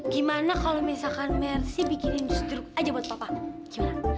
gimana kalau misalkan mersi bikinin justru aja buat papa gimana